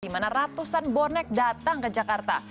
di mana ratusan bonek datang ke jakarta